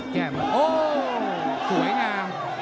แก้วโอ้โฮสวยงาม